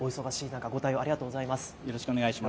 ご対応ありがとうございます。